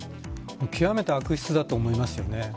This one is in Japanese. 極めて悪質だと思いますよね。